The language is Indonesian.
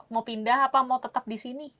mau pindah apa mau tetap di sini